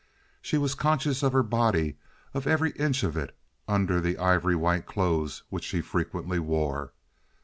She was conscious of her body—of every inch of it—under the ivory white clothes which she frequently wore.